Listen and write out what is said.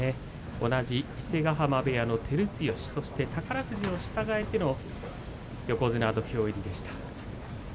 同じ伊勢ヶ濱部屋の照強宝富士を従えての横綱土俵入りでした。